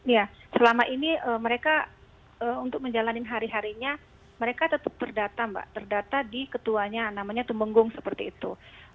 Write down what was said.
ya selama ini mereka untuk menjalani hari harinya mereka tetap terdata mbak terdata di ketuanya namanya tumenggung seperti itu